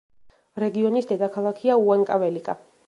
რეგიონის დედაქალაქია უანკაველიკა.